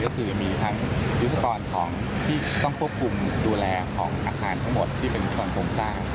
ก็คือมีทั้งวิศากรที่ต้องควบคุมดูแลของอาคารทั้งหมดที่เป็นคนตรงสร้าง